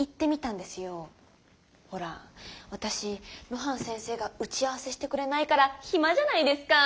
露伴先生が打ち合わせしてくれないからヒマじゃないですかー。